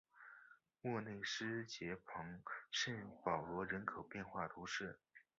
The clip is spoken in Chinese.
莫内斯捷旁圣保罗人口变化图示